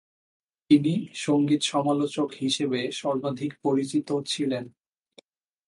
তিনি সঙ্গীত সমালোচক হিসেবে সর্বাধিক পরিচিত ছিলেন।